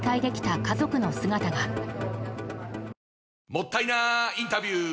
もったいなインタビュー！